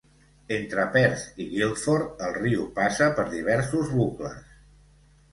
Entre Perth i Guildford, el riu passa per diversos bucles.